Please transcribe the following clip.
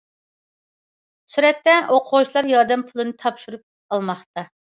سۈرەتتە: ئوقۇغۇچىلار ياردەم پۇلىنى تاپشۇرۇپ ئالماقتا.